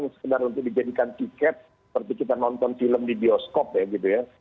yang sekedar untuk dijadikan tiket seperti kita nonton film di bioskop ya gitu ya